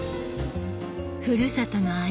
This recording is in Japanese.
ふるさとの味